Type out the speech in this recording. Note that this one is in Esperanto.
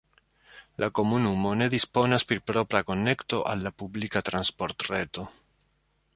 La komunumo ne disponas pri propra konekto al la publika transportreto.